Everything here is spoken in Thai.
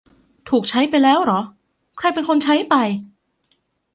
ถูกใช้ไปแล้วหรอ ใครเป็นคนใช้ไป